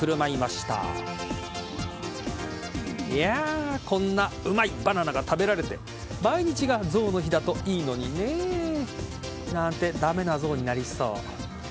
いやーこんなうまいバナナが食べられて毎日が象の日だといいのにねなんて、駄目な象になりそう。